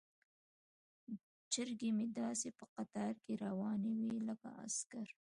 چرګې مې داسې په قطار کې روانې وي لکه عسکر.